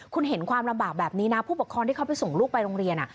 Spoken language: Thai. คุณเห็นความลำบากแบบนี้นะผู้ปกครองที่เขาไปส่งลูกไปโรงเรียน